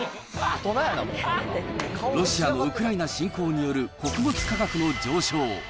ロシアのウクライナ侵攻による穀物価格の上昇。